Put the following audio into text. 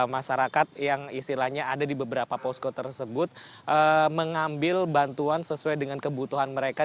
masyarakat yang istilahnya ada di beberapa posko tersebut mengambil bantuan sesuai dengan kebutuhan mereka